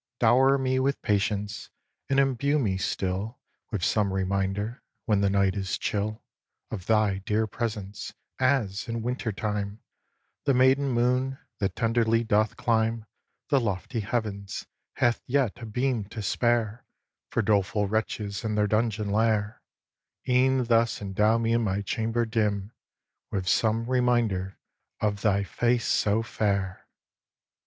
ii. Dower me with patience and imbue me still With some reminder, when the night is chill, Of thy dear presence, as, in winter time, The maiden moon, that tenderly doth climb The lofty heavens, hath yet a beam to spare For doleful wretches in their dungeon lair; E'en thus endow me in my chamber dim With some reminder of thy face so fair!